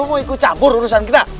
lo mau ikut campur urusan kita